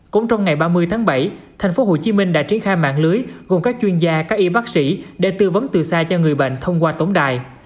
cũng trong ngày ba mươi tháng bảy tp hcm đã triển khai mạng lưới gồm các chuyên gia các y bác sĩ để tư vấn từ xa cho người bệnh thông qua tổng đài